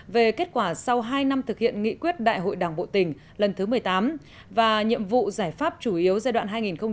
về kết quả sau hai năm thực hiện nghị quyết đại hội đảng bộ tỉnh lần thứ một mươi tám và nhiệm vụ giải pháp chủ yếu giai đoạn hai nghìn một mươi năm hai nghìn hai mươi